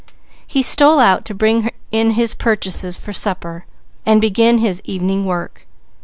He stole out to bring in his purchases for supper, and begin his evening work.